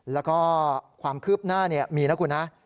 แล้วก็ความคืบหน้ามีนะคุณนะ